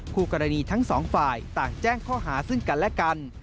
คู่กรณีทั้งสองฝ่ายต่างแจ้งข้อหาซึ่งกันและกัน